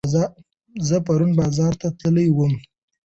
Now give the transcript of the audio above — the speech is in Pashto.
زه پرون بازار ته تللي وم